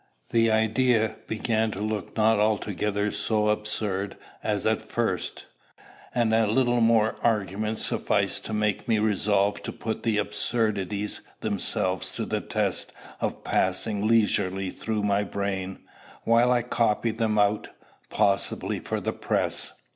The idea began to look not altogether so absurd as at first; and a little more argument sufficed to make me resolve to put the absurdities themselves to the test of passing leisurely through my brain while I copied them out, possibly for the press.